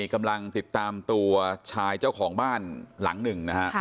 กำลังติดตามตัวชายเจ้าของบ้านหลังหนึ่งนะฮะ